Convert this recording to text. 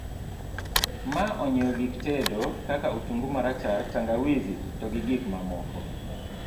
ma onyiew gik tedo kaka otungu marachar, tangawizi to gi gik mamoko